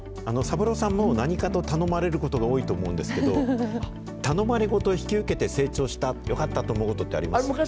サブローさんも何かと頼まれることが多いと思うんですけど、頼まれごと引き受けて成長した、よかったと思うことってあります